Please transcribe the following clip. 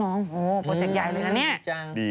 โอ้โฮโปรเจคใหญ่เลยนะนี่